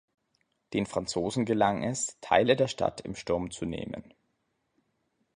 Den Franzosen gelang es, Teile der Stadt im Sturm zu nehmen.